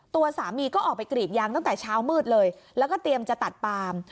ตัวสามีก็ออกไปกรีดยางตั้งแต่เช้ามืดเลยแล้วก็เตรียมจะตัดปาม